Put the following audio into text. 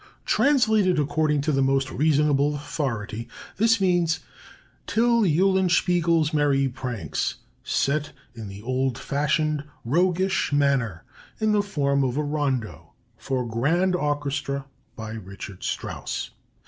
Translated according to the most reasonable authority, this means: "Till Eulenspiegel's Merry Pranks, Set in the Old Fashioned, Roughish Manner in the Form of a Rondo for Grand Orchestra, by Richard Strauss."